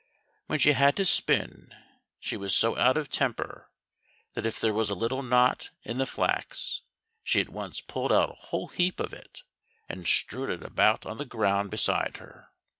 When she had to spin she was so out of temper that if there was a little knot in the flax, she at once pulled out a whole heap of it, and strewed it about on the ground beside her.